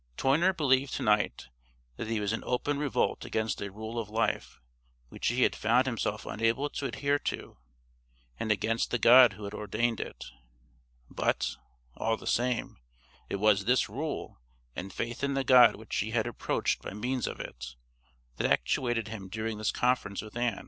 Toyner believed to night that he was in open revolt against a rule of life which he had found himself unable to adhere to, and against the God who had ordained it; but, all the same, it was this rule, and faith in the God which he had approached by means of it, that actuated him during this conference with Ann.